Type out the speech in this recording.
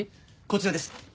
こちらです。